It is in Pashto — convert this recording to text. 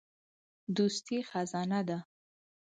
دوستي خزانه ده.